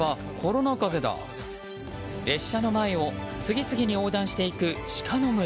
列車の前を次々に横断していくシカの群れ。